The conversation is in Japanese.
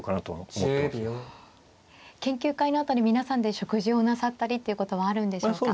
研究会のあとに皆さんで食事をなさったりっていうことはあるんでしょうか。